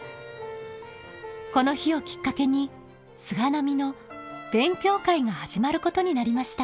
この日をきっかけに菅波の勉強会が始まることになりました。